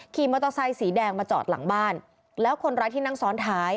ขี่มอเตอร์ไซค์สีแดงมาจอดหลังบ้านแล้วคนร้ายที่นั่งซ้อนท้าย